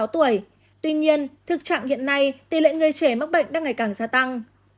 tuy nhiên thực trạng hiện nay tỷ lệ người trẻ mắc bệnh đang ngày càng gia tăng